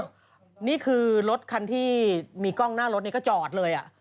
นี่คือรถคันที่มีกล้องหน้ารถก็จอดเลยอ่ะ